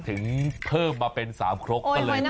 ถึงเพิ่มมาเป็น๓ครก